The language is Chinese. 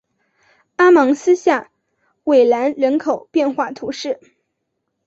阿芒斯下韦兰人口变化图示